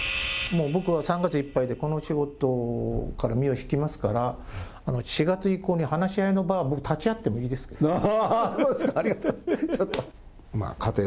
もう僕は３月いっぱいでこの仕事から身を引きますから、４月以降に話し合いの場、僕、立ち会ってもいいですけど。